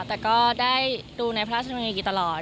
แต่ก็ได้ดูในพระราชมณีกีตลอด